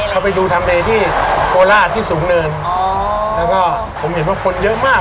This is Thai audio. เราไปดูทำเพลงที่โคราชที่สูงเนินอ๋อแล้วก็ผมเห็นว่าคนเยอะมาก